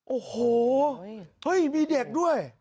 โอ้โหมีเด็กด้วย